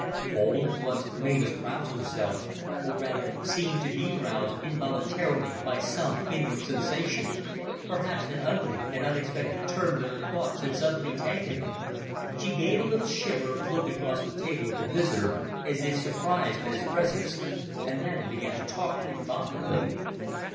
All at once Mavis roused herself, or rather, seemed to be roused involuntarily by some inward sensation perhaps an ugly and unexpected turn that her thoughts had suddenly taken. She gave a little shiver, looked across the table at the visitor as if surprised at his presence, and then began to talk to him volubly.